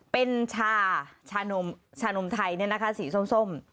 เป็นชาชานมไทยนี่นะคะสีส้ม